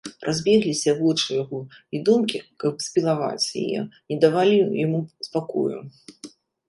Разбегліся вочы яго, і думкі, каб спілаваць, яе, не давалі яму спакою.